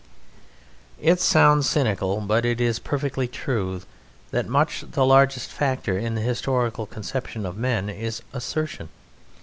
It sounds cynical, but it is perfectly true, that much the largest factor in the historical conception of men is assertion.